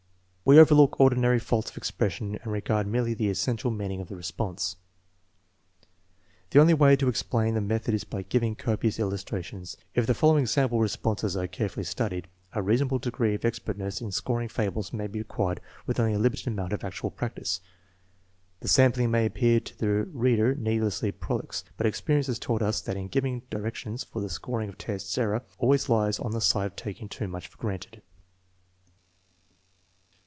We overlook ordinary faults of expression and regard merely the essential meaning of the response. The only way to explain the method is by giving copious illustrations. If the following sample responses are carefully studied, a reasonable degree of expertness in scoring fables may be acquired with only a limited amount of actual practice. The sampling may appear to the reader needlessly prolix, but experience has taught us that in giving direc tions for the scoring of tests error always lies on the side of taking too much for granted.